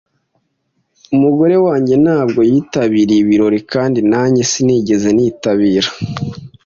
Umugore wanjye ntabwo yitabiriye ibirori kandi nanjye sinigeze nitabira